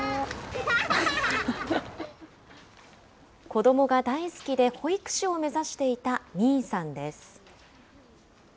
子どもが大好きで保育士を目指していたみーさんです。